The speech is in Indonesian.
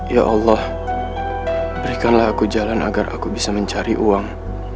ya allah berikanlah aku jalan agar aku bisa mencari uang